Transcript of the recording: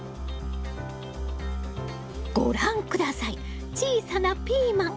ご覧下さい小さなピーマン。